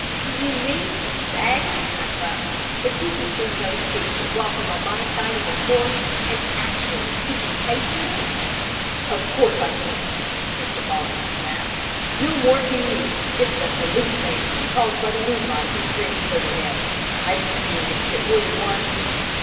"Do you mean to say," I cried, "that you can see no figure walking on my side of the horse and actually keeping pace with it?" "Of course I can't," Mr. Baldwin snapped. "No more can you. It's an hallucination caused by the moonlight through the branches overhead. I've experienced it more than once."